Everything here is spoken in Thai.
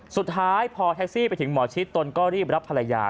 สุดท้ายพอแท็กซี่ไปถึงหมอชิดตนก็รีบรับภรรยา